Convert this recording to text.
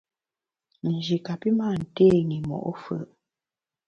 Nji kapi mâ nté i mo’ fù’.